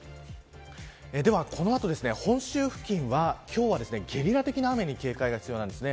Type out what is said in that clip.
ではこの後、本州付近は今日はゲリラ的な雨に警戒が必要です。